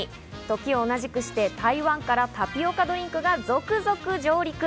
時を同じくして台湾からタピオカドリンクが続々上陸。